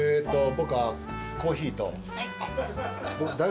僕はコーヒーと。